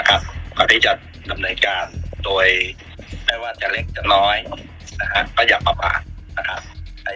ก่อนที่จะทำหน่วยการไม่ว่าจะเล็กจะน้อยก็อย่าปรับอาจ